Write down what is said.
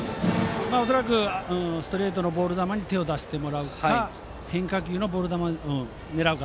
恐らくストレートのボール球に手を出してもらうか変化球のボール球を狙うか。